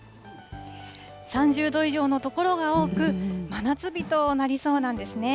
３０度以上の所が多く、真夏日となりそうなんですね。